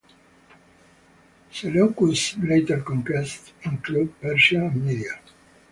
Seleucus' later conquests included Persia and Media.